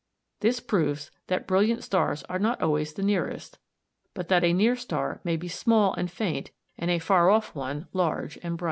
This proves that brilliant stars are not always the nearest, but that a near star may be small and faint and a far off one large and bright.